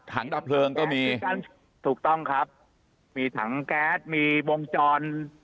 ดับเพลิงก็มีถูกต้องครับมีถังแก๊สมีวงจร